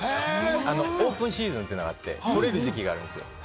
オープンシーズンというのがあって、とれるんですよ。